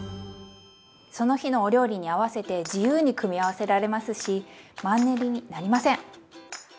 その日のお料理に合わせて自由に組み合わせられますしマンネリになりません！